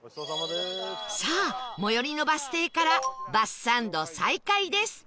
さあ最寄りのバス停からバスサンド再開です